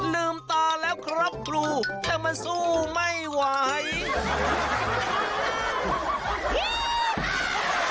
ลืมตาแล้วครับครูแต่มันสู้ไม่ไหว